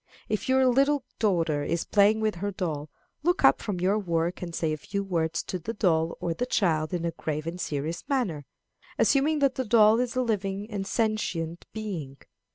If your little daughter is playing with her doll, look up from your work and say a few words to the doll or the child in a grave and serious manner, assuming that the doll is a living and sentient being.